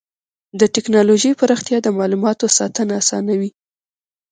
د ټکنالوجۍ پراختیا د معلوماتو ساتنه اسانوي.